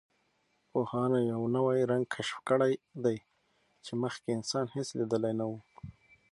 پوهانو یوه نوی رنګ کشف کړی دی چې مخکې انسان هېڅ لیدلی نه و.